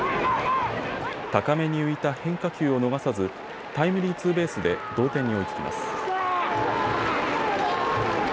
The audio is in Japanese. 高めに浮いた変化球を逃さずタイムリーツーベースで同点に追いつきます。